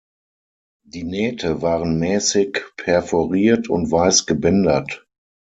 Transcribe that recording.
Die Nähte waren mäßig perforiert und weiß gebändert.